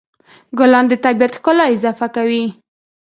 ګلان د طبیعت ښکلا اضافه کوي.